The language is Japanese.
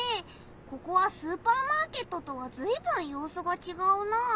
ここはスーパーマーケットとはずいぶんようすがちがうなあ。